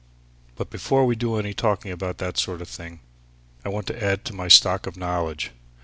But before we do any talking about that sort of thing, I want to add to my stock of knowledge.